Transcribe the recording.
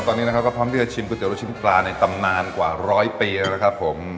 ตอนนี้นะครับก็พร้อมที่จะชิมก๋วลูกชิ้นปลาในตำนานกว่าร้อยปีแล้วนะครับผม